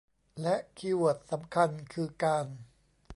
และคีย์เวิร์ดสำคัญคือการ